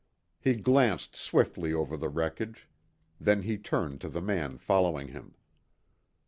He glanced swiftly over the wreckage. Then he turned to the man following him.